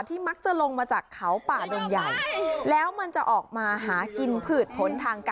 ครับต้องรับการประเทศของท่านแต่พวกคุณแค่นี้